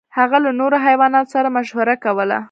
هغه له نورو حیواناتو سره مشوره کوله.